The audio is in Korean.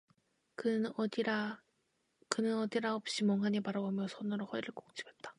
그는 어디라 없이 멍하니 바라보며 손으로 허리를 꽉 짚었다.